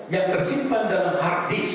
yang tersimpan dalam hard disk